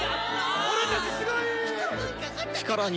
俺たちすごい！